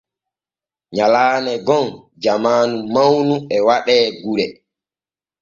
Nyalaane gom jamaanu mawnu e waɗe gure.